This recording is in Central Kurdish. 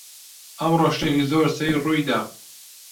ئەمڕۆ شتێکی زۆر سەیر ڕووی دا.